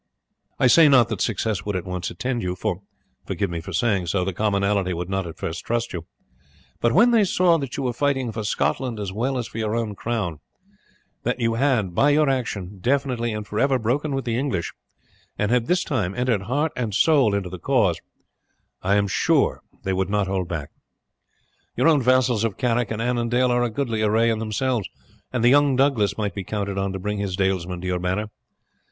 I say not that success would at once attend you, for, forgive me for saying so, the commonalty would not at first trust you; but when they saw that you were fighting for Scotland as well as for your own crown, that you had, by your action, definitely and for ever broken with the English, and had this time entered heart and soul into the cause, I am sure they would not hold back. Your own vassals of Carrick and Annandale are a goodly array in themselves and the young Douglas might be counted on to bring his dalesmen to your banner.